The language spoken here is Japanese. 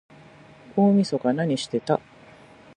大晦日なにしてた？